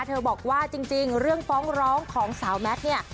บอกว่าจริงเรื่องฟ้องร้องของสาวแมทเนี่ย